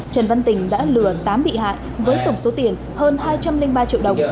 trần văn tình đã lừa tám bị hại với tổng số tiền hơn hai trăm linh ba triệu đồng